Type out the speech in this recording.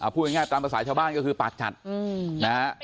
พูดง่ายตามภาษาชาวบ้านก็คือปากจัดนะฮะ